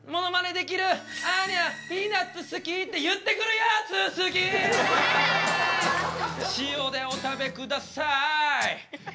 アーニャピーナツ好き。って言ってくるやつ好き塩でお食べください